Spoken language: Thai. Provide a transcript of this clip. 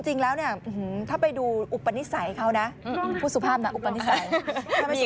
จริงแล้วเนี่ยถ้าไปดูอุปนิสัยเขานะพูดสุภาพนะอุปนิสัย